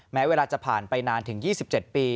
แม้เวลาจะผ่านไปนานถึง๒๗ปี